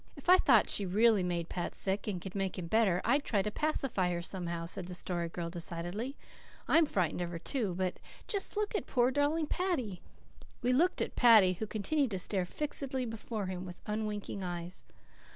'" "If I thought she really made Pat sick and could make him better, I'd try to pacify her somehow," said the Story Girl decidedly. "I'm frightened of her, too but just look at poor, darling Paddy." We looked at Paddy who continued to stare fixedly before him with unwinking eyes.